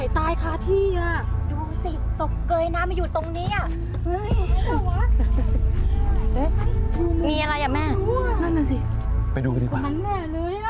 พ่อพ่อพี่บี๊พ่อพี่บี๊พ่อแม่พ่อพี่บี๊